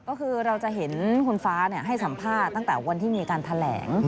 ก็คือเราจะเห็นคุณฟ้าให้สัมภาษณ์ตั้งแต่วันที่มีการแถลง